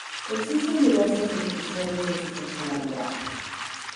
Existen diversas descripciones de su personalidad.